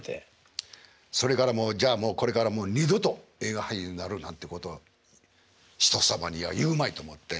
それからじゃあもうこれから二度と映画俳優になろうなんてこと人様には言うまいと思って。